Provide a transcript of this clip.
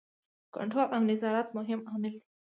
کنټرول او نظارت مهم عامل دی.